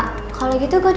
kalo gitu gue doan ya